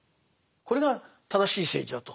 これが正しい政治だと。